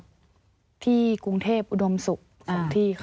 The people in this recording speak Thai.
ก็ที่กรุงเทพฯอุดมศุส่งที่ค่ะ